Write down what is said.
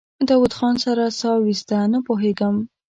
داوود خان سړه سا وايسته: نه پوهېږم.